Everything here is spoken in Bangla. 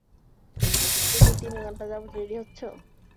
তুমি তিন ঘণ্টা যাবৎ রেডি হচ্ছ।